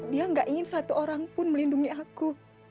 dia gak ingin satu orang pun melindungi aku